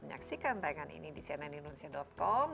menyaksikan tayangan ini di cnnindonesia com